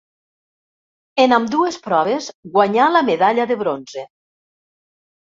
En ambdues proves guanyà la medalla de bronze.